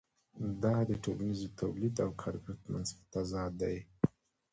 دا د ټولنیز تولید او کارګر ترمنځ تضاد دی